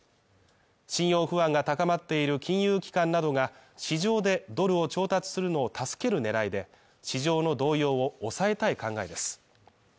信用不安が高まっている金融機関などが市場でドルを調達するのを助ける狙いで、市場の動揺を抑えたい考えです。